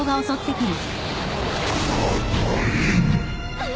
あっ！？